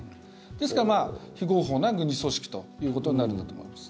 ですから非合法な軍事組織ということになるんだと思います。